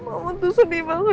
mama tuh sedih banget